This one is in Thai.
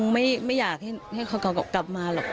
เนื่องจากนี้ไปก็คงจะต้องเข้มแข็งเป็นเสาหลักให้กับทุกคนในครอบครัว